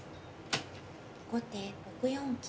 後手６四金。